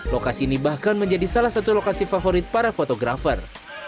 lokasi ini bahkan menjadi salah satu lokasi favorit para fotografer